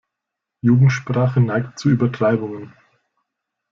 Jugendsprache neigt zu Übertreibungen.